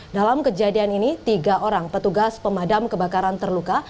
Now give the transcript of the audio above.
dalam kejadian ini tiga orang petugas pemadam kebakaran terluka